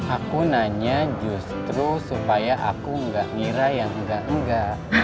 aku nanya justru supaya aku gak ngira yang engga enga